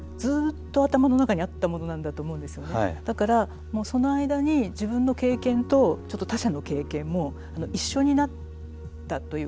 だからその間に自分の経験とちょっと他者の経験も一緒になったというか。